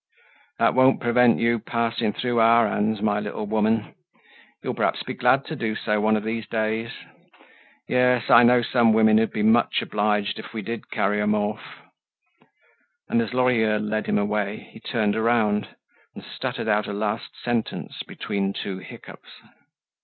"That won't prevent you passing though our hands, my little woman. You'll perhaps be glad to do so, one of these days. Yes, I know some women who'd be much obliged if we did carry them off." And, as Lorilleux led him away, he turned around, and stuttered out a last sentence, between two hiccoughs.